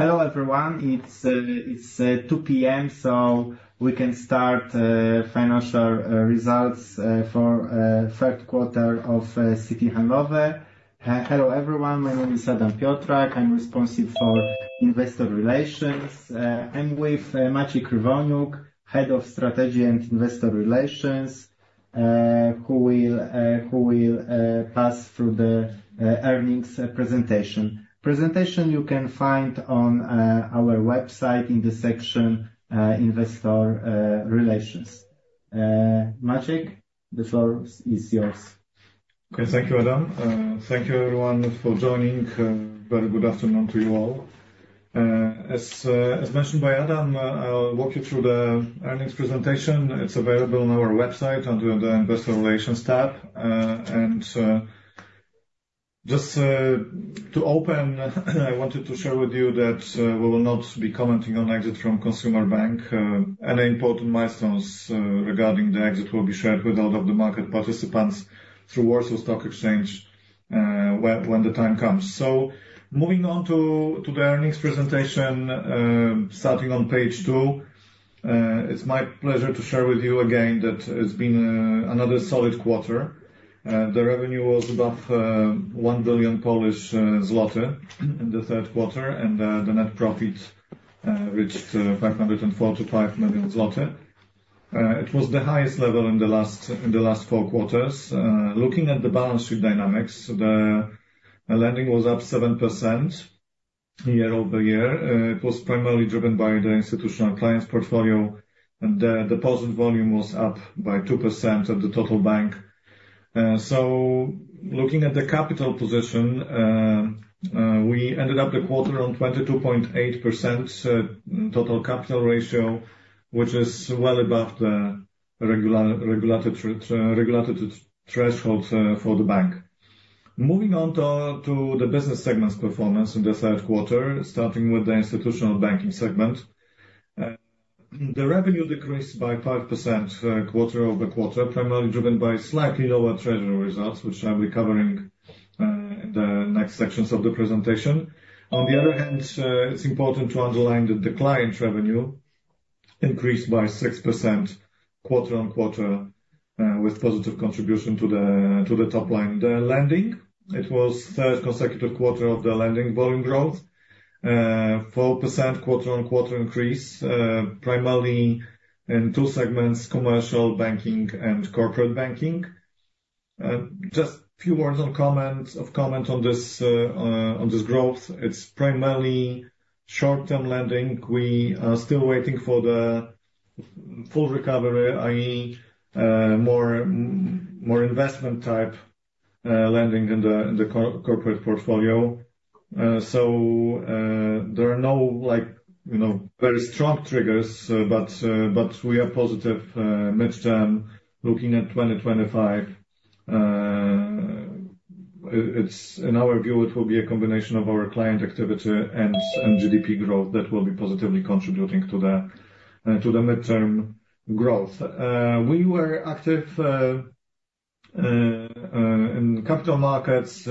Hello, everyone. It's 2:00 P.M., so we can start financial results for the third quarter of Citi Handlowy. Hello, everyone, my name is Adam Piotrak. I'm responsible for investor relations. I'm with Maciej Krywoniuk, Head of Strategy and Investor Relations, who will pass through the earnings presentation. The presentation you can find on our website in the section Investor Relations. Maciej, the floor is yours. Okay, thank you, Adam. Thank you, everyone, for joining. Very good afternoon to you all. As mentioned by Adam, I'll walk you through the earnings presentation. It's available on our website under the Investor Relations tab. And just to open, I wanted to share with you that we will not be commenting on exit from Consumer Bank. Any important milestones regarding the exit will be shared with all of the market participants through Warsaw Stock Exchange when the time comes. So moving on to the earnings presentation, starting on page two, it's my pleasure to share with you again that it's been another solid quarter. The revenue was above 1 billion Polish zloty in the third quarter, and the net profit reached 545 million zloty. It was the highest level in the last four quarters. Looking at the balance sheet dynamics, the lending was up 7% year over year. It was primarily driven by the institutional clients' portfolio, and the deposit volume was up by 2% of the total bank. So looking at the capital position, we ended the quarter on 22.8% Total Capital Ratio, which is well above the regulatory threshold for the bank. Moving on to the business segment's performance in the third quarter, starting with the Institutional Banking segment, the revenue decreased by 5% quarter over quarter, primarily driven by slightly lower treasury results, which I'll be covering in the next sections of the presentation. On the other hand, it's important to underline that the client revenue increased by 6% quarter on quarter, with positive contribution to the top line. The lending, it was the third consecutive quarter of the lending volume growth, a 4% quarter on quarter increase, primarily in two segments: Commercial Banking and Corporate Banking. Just a few words of comment on this growth. It's primarily short-term lending. We are still waiting for the full recovery, i.e., more investment-type lending in the corporate portfolio. So there are no very strong triggers, but we are positive midterm looking at 2025. In our view, it will be a combination of our client activity and GDP growth that will be positively contributing to the midterm growth. We were active in capital markets.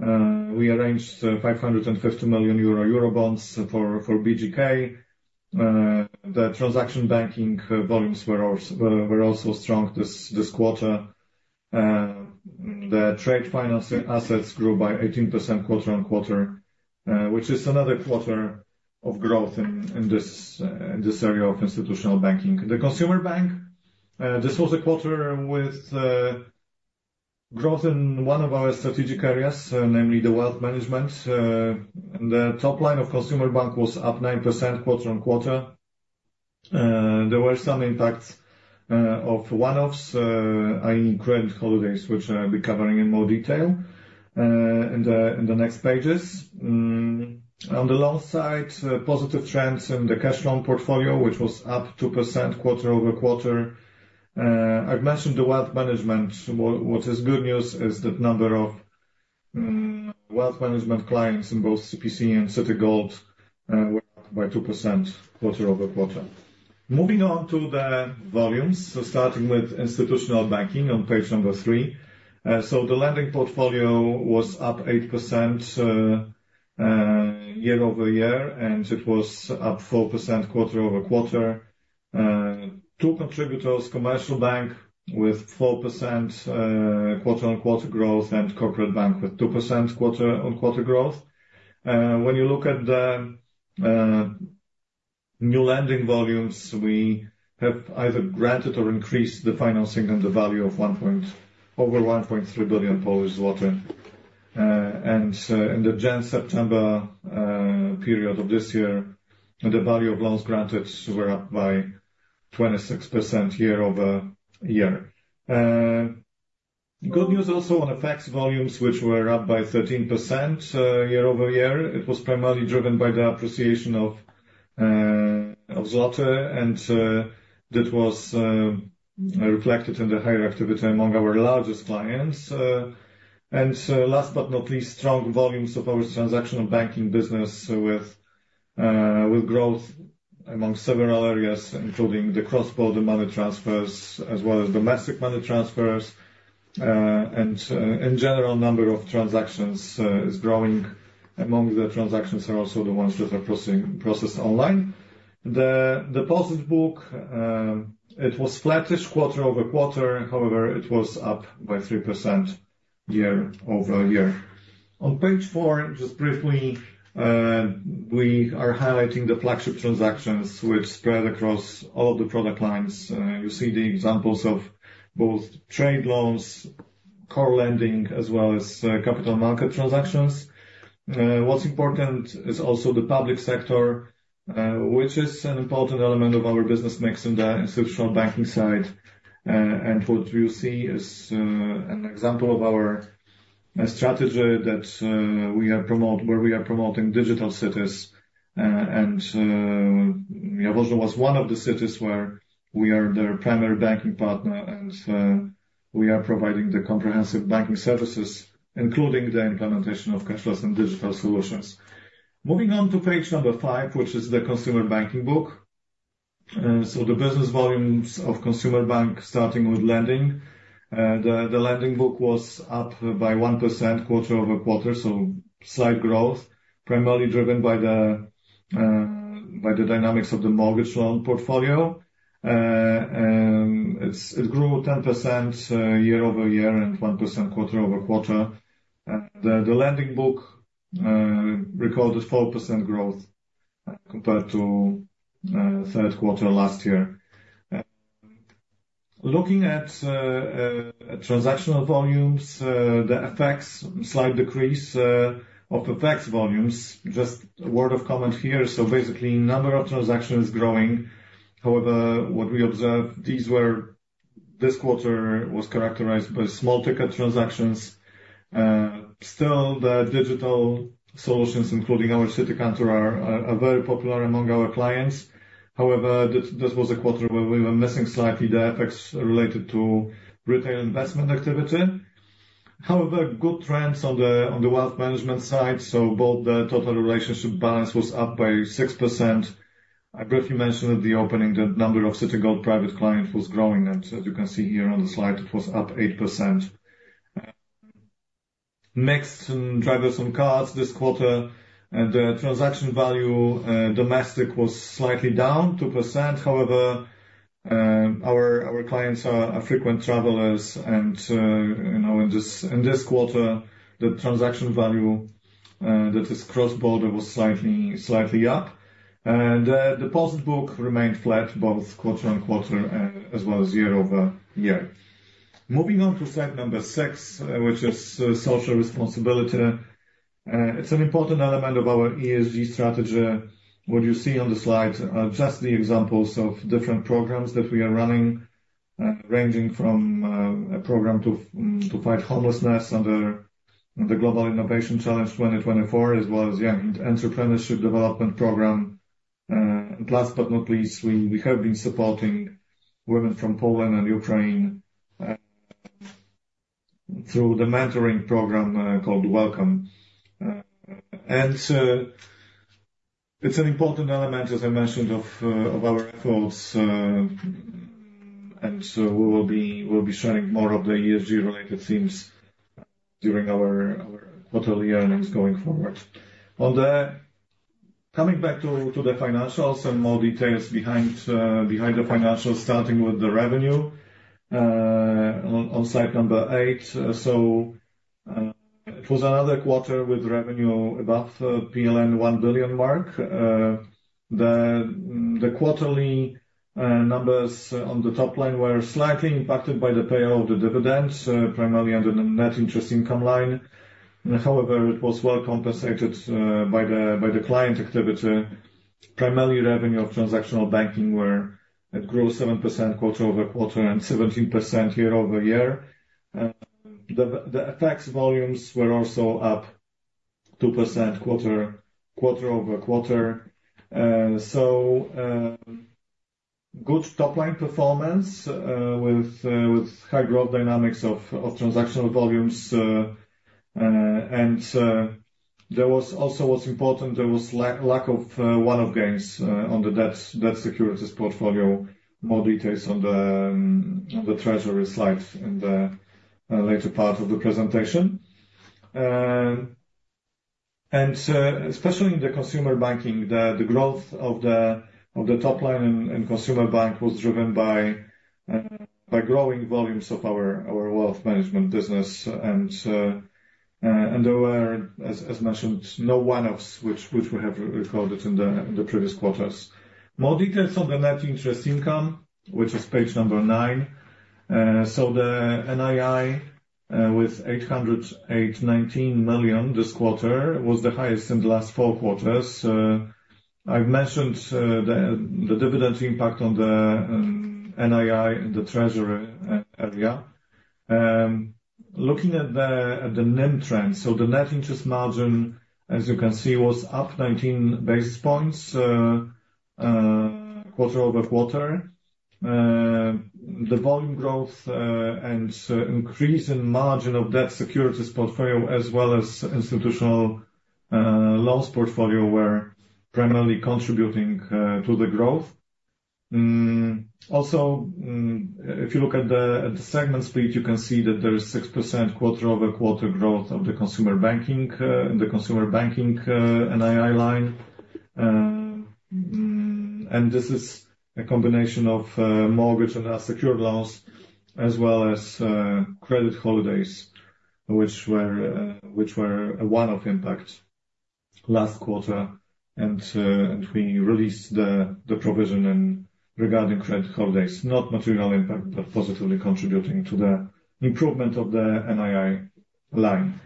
We arranged 550 million euro bonds for BGK. The transaction banking volumes were also strong this quarter. The trade financing assets grew by 18% quarter on quarter, which is another quarter of growth in this area of Institutional Banking. The Consumer Bank, this was a quarter with growth in one of our strategic areas, namely the Wealth Management. The top line of Consumer Bank was up 9% quarter on quarter. There were some impacts of one-offs, i.e., credit holidays, which I'll be covering in more detail in the next pages. On the loan side, positive trends in the cash loan portfolio, which was up 2% quarter over quarter. I've mentioned the Wealth Management. What is good news is that the number of wealth management clients in both CPC and Citigold were up by 2% quarter over quarter. Moving on to the volumes, so starting with Institutional Banking on page number three. So the lending portfolio was up 8% year over year, and it was up 4% quarter over quarter. Two contributors: Commercial Bank with 4% quarter on quarter growth and Corporate Bank with 2% quarter on quarter growth. When you look at the new lending volumes, we have either granted or increased the financing and the value of over 1.3 billion Polish zloty. In the June-September period of this year, the value of loans granted were up by 26% year over year. Good news also on FX volumes, which were up by 13% year over year. It was primarily driven by the appreciation of zloty, and that was reflected in the higher activity among our largest clients. Last but not least, strong volumes of our transactional banking business with growth among several areas, including the cross-border money transfers as well as domestic money transfers. In general, the number of transactions is growing among the transactions and also the ones that are processed online. The deposit book, it was flattish quarter over quarter. However, it was up by 3% year over year. On page four, just briefly, we are highlighting the flagship transactions, which spread across all of the product lines. You see the examples of both trade loans, core lending, as well as capital market transactions. What's important is also the public sector, which is an important element of our business mix in the Institutional Banking side. And what you see is an example of our strategy that we are promoting, where we are promoting digital cities. And Jaworzno was one of the cities where we are their primary banking partner, and we are providing the comprehensive banking services, including the implementation of cashless and digital solutions. Moving on to page number five, which is the Consumer Banking book. So the business volumes of Consumer Bank, starting with lending, the lending book was up by 1% quarter over quarter, so slight growth, primarily driven by the dynamics of the mortgage loan portfolio. It grew 10% year over year and 1% quarter over quarter. The lending book recorded 4% growth compared to third quarter last year. Looking at transactional volumes, the FX, slight decrease of FX volumes. Just a word of comment here. So basically, the number of transactions is growing. However, what we observed, this quarter was characterized by small-ticket transactions. Still, the digital solutions, including our Citi Kantor, are very popular among our clients. However, this was a quarter where we were missing slightly the FX related to retail investment activity. However, good trends on the wealth management side. So both the total relationship balance was up by 6%. I briefly mentioned at the opening that the number of Citigold Private Clients was growing. And as you can see here on the slide, it was up 8%. Mixed drivers on cards this quarter. The transaction value domestic was slightly down, 2%. However, our clients are frequent travelers. In this quarter, the transaction value that is cross-border was slightly up. The deposit book remained flat both quarter on quarter as well as year over year. Moving on to slide number six, which is social responsibility. It's an important element of our ESG strategy. What you see on the slide are just the examples of different programs that we are running, ranging from a program to fight homelessness under the Global Innovation Challenge 2024, as well as the Entrepreneurship Development Program. Last but not least, we have been supporting women from Poland and Ukraine through the mentoring program called Welcome. It's an important element, as I mentioned, of our efforts. We will be sharing more of the ESG-related themes during our quarterly earnings going forward. Coming back to the financials and more details behind the financials, starting with the revenue on slide number eight. So it was another quarter with revenue above the PLN 1 billion mark. The quarterly numbers on the top line were slightly impacted by the payout of the dividends, primarily under the net interest income line. However, it was well compensated by the client activity. Primarily, revenue of transactional banking where it grew 7% quarter over quarter and 17% year over year. The FX volumes were also up 2% quarter over quarter. So good top-line performance with high growth dynamics of transactional volumes. And there was also what's important, there was a lack of one-off gains on the debt securities portfolio. More details on the treasury slides in the later part of the presentation. And especially in the consumer banking, the growth of the top line in Consumer Bank was driven by growing volumes of our wealth management business. There were, as mentioned, no one-offs which we have recorded in the previous quarters. More details on the net interest income, which is page number nine. The NII with 808.19 million this quarter was the highest in the last four quarters. I've mentioned the dividend impact on the NII in the treasury area. Looking at the NIM trend, so the net interest margin, as you can see, was up 19 basis points quarter over quarter. The volume growth and increase in margin of debt securities portfolio as well as institutional loans portfolio were primarily contributing to the growth. Also, if you look at the segment split, you can see that there is 6% quarter over quarter growth of the consumer banking, the consumer banking NII line. This is a combination of mortgage and secure loans as well as credit holidays, which were a one-off impact last quarter. We released the provision regarding credit holidays, not material impact, but positively contributing to the improvement of the NII line.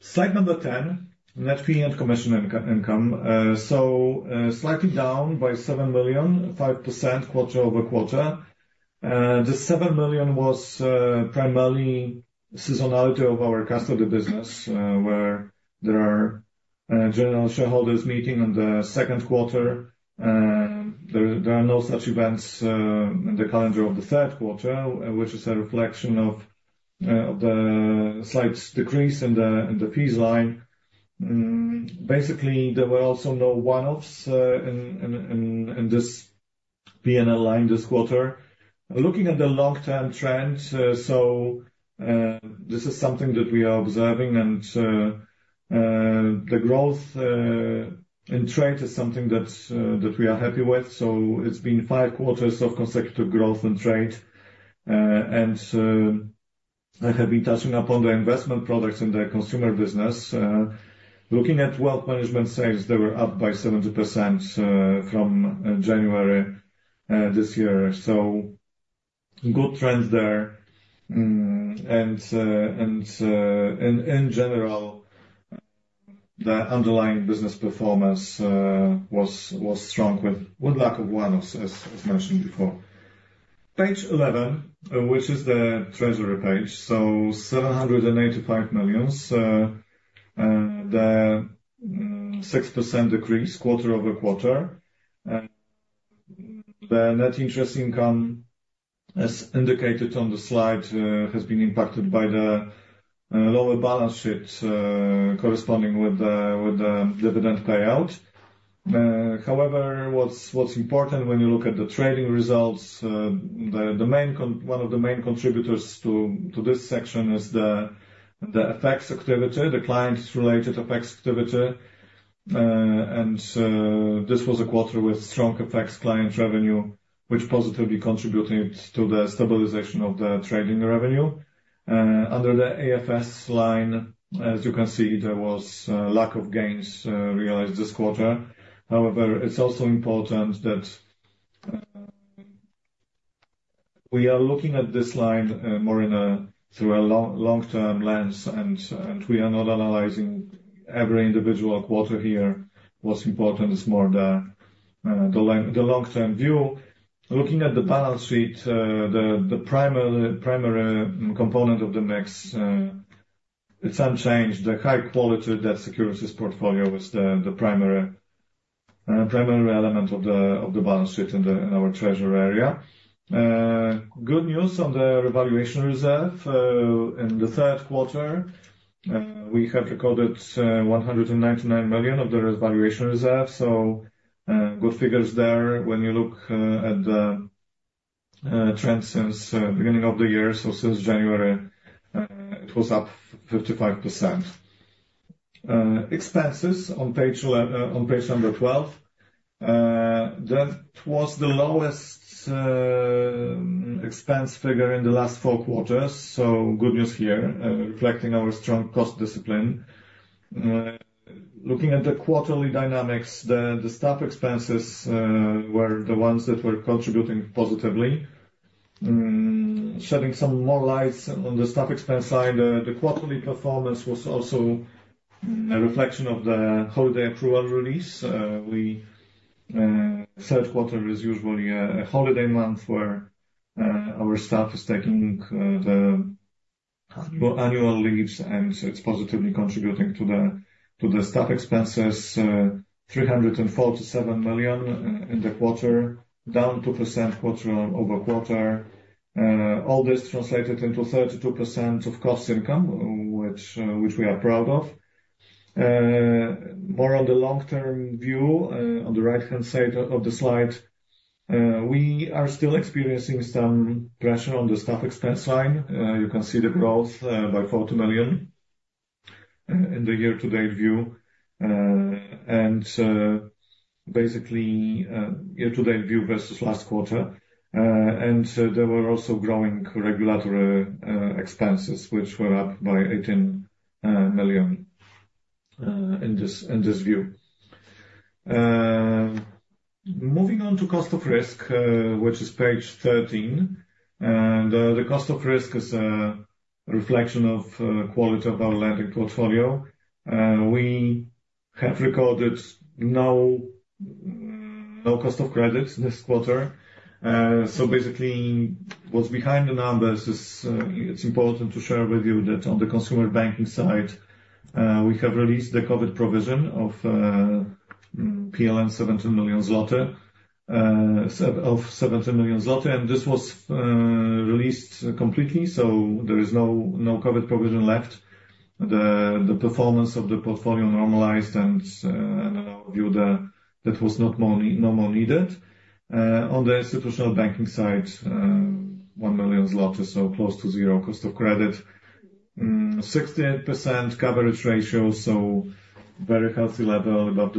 Slide number 10, net fee and commission income. Slightly down by 7 million, 5% quarter over quarter. The 7 million was primarily seasonality of our custody business, where there are general shareholders meeting in the second quarter. There are no such events in the calendar of the third quarter, which is a reflection of the slight decrease in the fees line. Basically, there were also no one-offs in this P&L line this quarter. Looking at the long-term trend, so this is something that we are observing. The growth in trade is something that we are happy with. It's been five quarters of consecutive growth in trade. I have been touching upon the investment products in the consumer business. Looking at wealth management sales, they were up by 70% from January this year. So good trends there. And in general, the underlying business performance was strong with lack of one-offs, as mentioned before. Page 11, which is the treasury page. So 785 million, the 6% decrease quarter over quarter. The net interest income, as indicated on the slide, has been impacted by the lower balance sheet corresponding with the dividend payout. However, what's important when you look at the trading results, one of the main contributors to this section is the FX activity, the client-related FX activity. And this was a quarter with strong FX client revenue, which positively contributed to the stabilization of the trading revenue. Under the AFS line, as you can see, there was lack of gains realized this quarter. However, it's also important that we are looking at this line more through a long-term lens, and we are not analyzing every individual quarter here. What's important is more the long-term view. Looking at the balance sheet, the primary component of the mix, it's unchanged. The high-quality debt securities portfolio is the primary element of the balance sheet in our treasury area. Good news on the revaluation reserve. In the third quarter, we have recorded 199 million of the revaluation reserve. So good figures there when you look at the trend since the beginning of the year. So since January, it was up 55%. Expenses on page number 12, that was the lowest expense figure in the last four quarters. So good news here, reflecting our strong cost discipline. Looking at the quarterly dynamics, the staff expenses were the ones that were contributing positively. Shedding some more light on the staff expense side, the quarterly performance was also a reflection of the holiday accrual release. Third quarter is usually a holiday month where our staff is taking the annual leaves, and it's positively contributing to the staff expenses. 347 million in the quarter, down 2% quarter over quarter. All this translated into 32% of cost income, which we are proud of. More on the long-term view, on the right-hand side of the slide, we are still experiencing some pressure on the staff expense line. You can see the growth by 40 million in the year-to-date view. And basically, year-to-date view versus last quarter. And there were also growing regulatory expenses, which were up by 18 million in this view. Moving on to cost of risk, which is page 13. The cost of risk is a reflection of the quality of our lending portfolio. We have recorded no cost of credit this quarter. So basically, what's behind the numbers is it's important to share with you that on the consumer banking side, we have released the COVID provision of 17 million zloty, of 17 million zloty. And this was released completely. So there is no COVID provision left. The performance of the portfolio normalized, and I view that was no more needed. On the Institutional Banking side, 1 million zloty, so close to zero cost of credit. 68% coverage ratio, so very healthy level above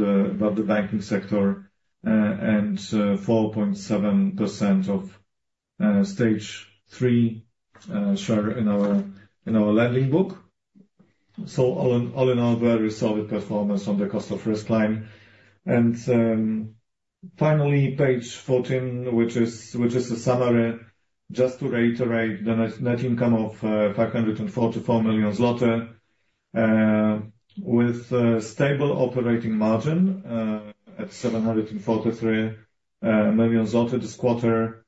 the banking sector. And 4.7% of stage three share in our lending book. So all in all, very solid performance on the cost of risk line. And finally, page 14, which is a summary. Just to reiterate, the net income of 544 million zloty with stable operating margin at 743 million zloty this quarter.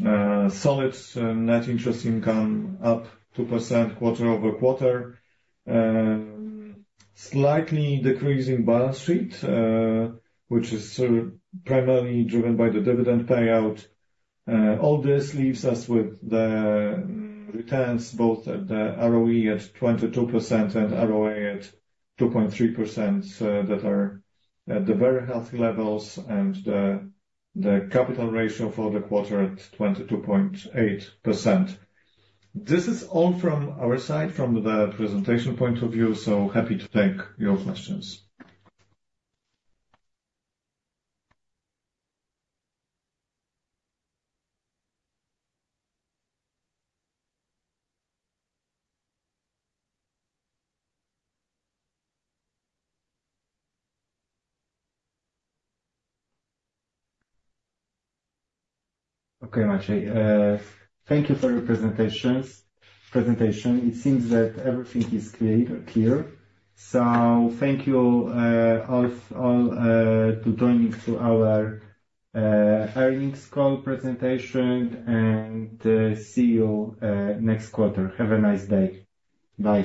Solid net interest income up 2% quarter over quarter. Slightly decreasing balance sheet, which is primarily driven by the dividend payout. All this leaves us with the returns both at the ROE at 22% and ROA at 2.3% that are at the very healthy levels. And the capital ratio for the quarter at 22.8%. This is all from our side from the presentation point of view. So happy to take your questions. Okay, Maciej. Thank you for your presentation. It seems that everything is clear. So thank you all for joining our earnings call presentation and see you next quarter. Have a nice day. Bye.